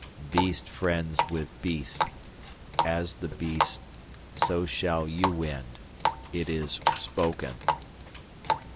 "Beast friends with beast. As the beasts so shall you end. It is spoken."